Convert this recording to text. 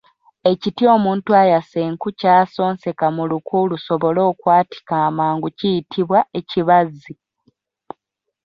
Ekiti omuntu ayasa enku ky'asonseka mu luku lusobole okwatika amangu kiyitibwa ekibaazi.